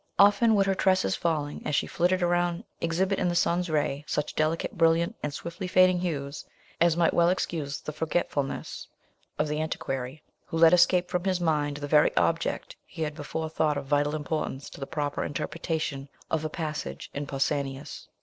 Often would her tresses falling, as she flitted around, exhibit in the sun's ray such delicately brilliant and swiftly fading hues, it might well excuse the forgetfulness of the antiquary, who let escape from his mind the very object he had before thought of vital importance to the proper interpretation of a passage in Pausanias.